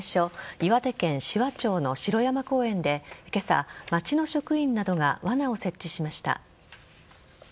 岩手県紫波町の城山公園で今朝、町の職員などがわなを設置しました。